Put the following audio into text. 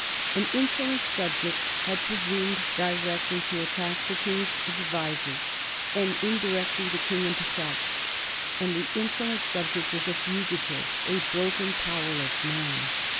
An insolent subject had presumed directly to attack the King's advisers and indirectly the King himself, and the insolent subject was a fugitive, a broken, powerless man.